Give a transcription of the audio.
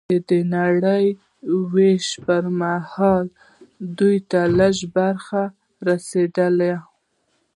د نړۍ وېشنې پر مهال دوی ته لږ برخه رسېدلې